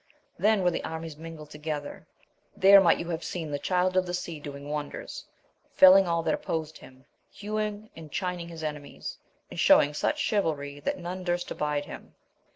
Then were the armies mingled together : there might you have seen the Child of the Sea doing wonders, felling all that opposed him, hewing and chining his enemies, and showing such chivalry that none durst abide him.